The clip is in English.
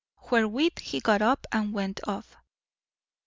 Wherewith he got up and went off.